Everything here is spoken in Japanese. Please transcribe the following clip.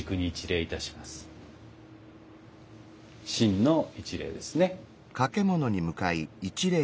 「真」の一礼ですね。